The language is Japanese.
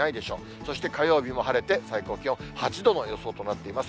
そして火曜日も晴れて最高気温８度の予想となっています。